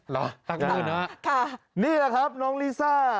หรอลักมืนน่ะค่ะนี่แหละครับน้องลิซ่า